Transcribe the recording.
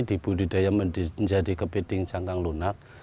dibudidayakan menjadi kepiting cakang lunak